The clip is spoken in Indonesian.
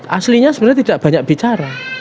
aslinya sebenarnya tidak banyak bicara